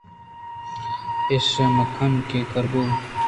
اِش مہ کن کرّ بو